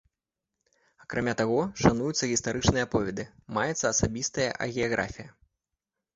Акрамя таго, шануюцца гістарычныя аповеды, маецца асабістая агіяграфія.